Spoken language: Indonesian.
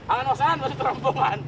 akan akan masih terhampungan